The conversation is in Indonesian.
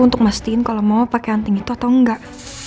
untuk mastiin kalo mau pake hunting itu atau enggak